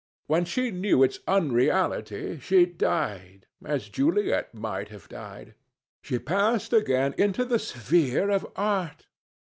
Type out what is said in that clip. When she knew its unreality, she died, as Juliet might have died. She passed again into the sphere of art.